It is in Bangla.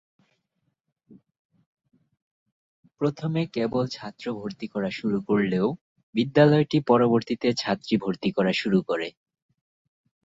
প্রথমে কেবল ছাত্র ভর্তি করা শুরু করলেও বিদ্যালয়টি পরবর্তিতে ছাত্রী ভর্তি করা শুরু করে।